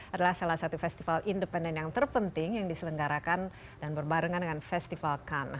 adalah salah satu festival independen yang terpenting yang diselenggarakan dan berbarengan dengan festival kan